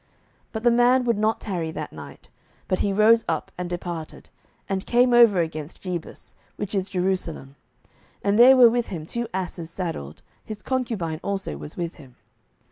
07:019:010 But the man would not tarry that night, but he rose up and departed, and came over against Jebus, which is Jerusalem; and there were with him two asses saddled, his concubine also was with him.